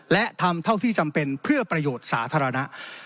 และทำเท่าที่จำเป็นเพื่อประโยชน์สาธารณะ